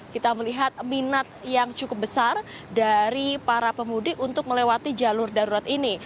kita melihat minat yang cukup besar dari para pemudik untuk melewati jalur darurat ini